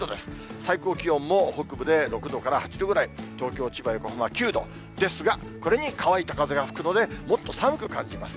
最高気温も北部で６度から８度ぐらい、東京、千葉、横浜は９度ですが、これに乾いた風が吹くので、もっと寒く感じます。